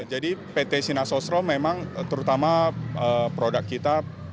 jadi pt sinar sosro memang terutama produk kita